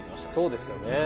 そうですよね。